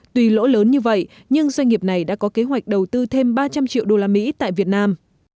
tùy lỗi lớn như vậy nhưng doanh nghiệp này đã có kế hoạch đầu tư thêm ba trăm linh triệu usd tại việt nam